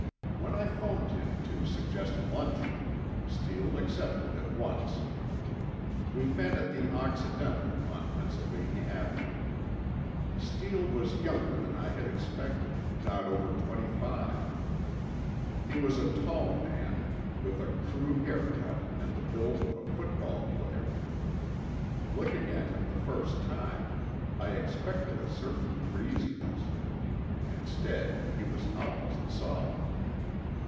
When I phoned him to suggest luncheon, Steele accepted at once. We met at the Occidental, on Pennsylvania Avenue. Steele was younger than I had expected—not over twenty five. He was a tall man, with a crew haircut and the build of a football player. Looking at him the first time, I expected a certain breeziness. instead, he was almost solemn.